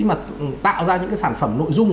mà tạo ra những cái sản phẩm nội dung